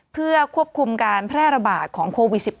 เพื่อควบคุมการแพร่ระบาดของโควิด๑๙